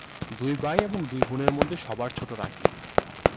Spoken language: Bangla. দুই ভাই এবং দুই বোনের মধ্যে সবার ছোট রাখি।